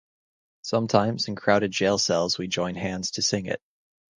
Sometimes in crowded jail cells we join hands to sing it.